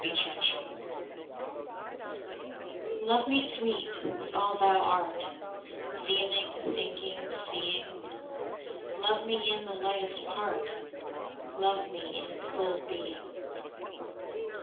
1 Autoplay I Love me Sweet, with all thou art, Feeling, thinking, seeing; Love me in the lightest part, Love me in full being.